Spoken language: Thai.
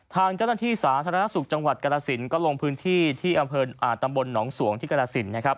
ทางเจ้าหน้าที่สาธารณสุขจังหวัดกรสินก็ลงพื้นที่ที่อำเภอตำบลหนองสวงที่กรสินนะครับ